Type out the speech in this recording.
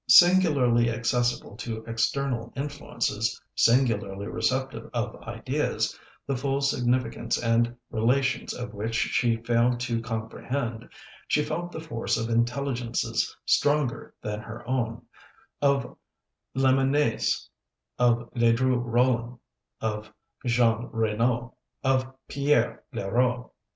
Singularly accessible to external influences, singularly receptive of ideas, the full significance and relations of which she failed to comprehend, she felt the force of intelligences stronger than her own of Lamennais, of Ledru Rollin, of Jean Raynaud, of Pierre Leroux.